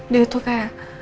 dia tuh kayak